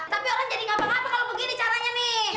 tapi orang jadi gampang apa kalau begini caranya nih